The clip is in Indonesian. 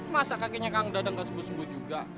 masa kakinya kang dadang gak sembuh sembuh juga